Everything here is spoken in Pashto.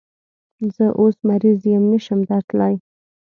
زه اوس مریض یم، نشم درتلای